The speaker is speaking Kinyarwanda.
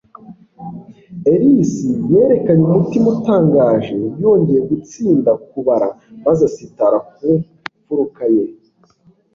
Ellis yerekanye umutima utangaje yongeye gutsinda kubara maze asitara ku mfuruka ye